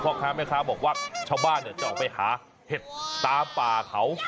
พ่อค้าแม่ค้าบอกว่าชาวบ้านจะออกไปหาเห็ดตามป่าเขา